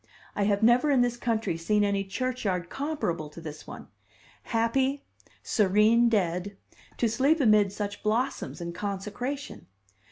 I have never, in this country, seen any churchyard comparable to this one; happy, serene dead, to sleep amid such blossoms and consecration!